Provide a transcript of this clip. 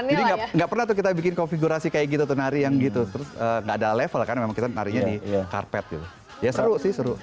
jadi gak pernah tuh kita bikin konfigurasi kayak gitu tuh nari yang gitu terus gak ada level kan memang kita nari nya di karpet gitu ya seru sih seru